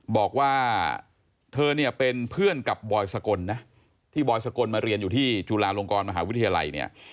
บอกว่าเธอเนี่ยเป็นเพื่อนกับบอยสกลนะที่บอยสกลมาเรียนอยู่ที่จุฬาลงกรมหาวิทยาลัยเนี่ย